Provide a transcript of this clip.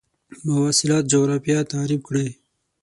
مواصلات جغرافیه تعریف کړئ.